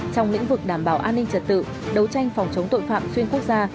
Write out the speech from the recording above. trong lĩnh vực đảm bảo an ninh trật tự đấu tranh phòng chống tội phạm xuyên quốc gia